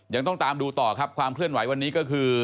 ยังต้องตามดูต่อครับความเคลื่อนไหววันนี้ก็คือ